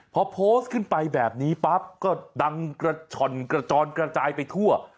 พอโพสต์ขึ้นไปแบบนี้ปั๊บก็ดังกระช่อนกระจอนกระจายไปทั่ว